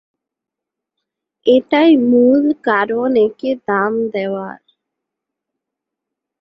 এটাই মূল কারণ একে দাম দেয়ার।